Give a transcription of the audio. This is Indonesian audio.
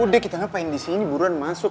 udeh kita ngapain disini buruan masuk